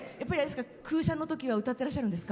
空車のときは歌ってらっしゃるんですか？